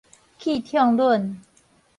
氣暢忍